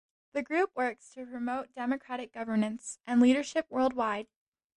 The group works to promote democratic governance and leadership worldwide.